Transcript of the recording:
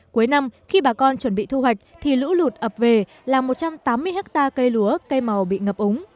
cuối năm khi bà con chuẩn bị thu hoạch thì lũ lụt ập về là một trăm tám mươi hectare cây lúa cây màu bị ngập úng